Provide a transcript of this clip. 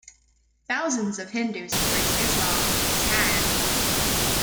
Thousands of Hindus embrace Islam on his hand.